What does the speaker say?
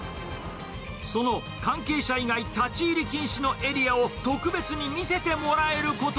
その関係者以外立ち入り禁止のエリアを特別に見せてもらえること